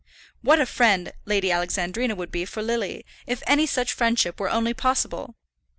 What a friend Lady Alexandrina would be for Lily, if any such friendship were only possible!